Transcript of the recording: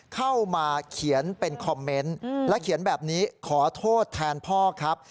เข้ามาเขียนเป็นคอมเมนต์และเขียนแบบนี้ขอโทษแทนพ่อครับ